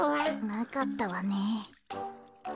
なかったわね。